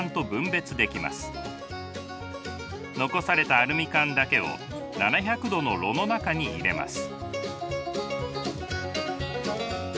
残されたアルミ缶だけを７００度の炉の中に入れます。